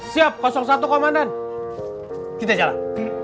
siap satu komandan kita jalan